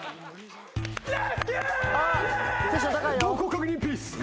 瞳孔確認ピース。